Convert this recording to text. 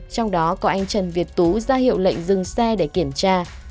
trong đó có anh trần việt tú ra hiệu lệnh dừng xe để kiểm tra